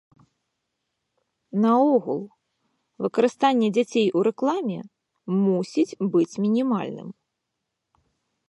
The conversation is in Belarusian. Наогул выкарыстанне дзяцей ў рэкламе мусіць быць мінімальным.